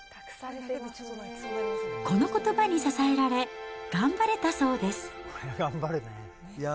このことばに支えられ、頑張れたそうです。